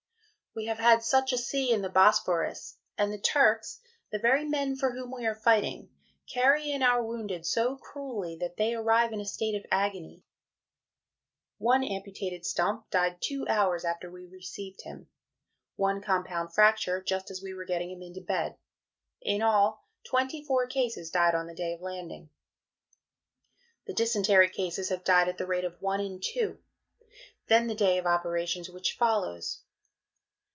We have had such a Sea in the Bosphorus, and the Turks, the very men for whom we are fighting, carry in our Wounded so cruelly, that they arrive in a state of Agony. One amputated Stump died 2 hours after we received him, one compound Fracture just as we were getting him into Bed in all, twenty four cases died on the day of landing. The Dysentery Cases have died at the rate of one in two. Then the day of operations which follows....